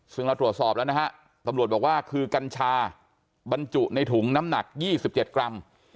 ซึ่งเราตรวจสอบแล้วนะฮะตำรวจบอกว่าคือกัญชาบรรจุในถุงน้ำหนัก๒๗กรัม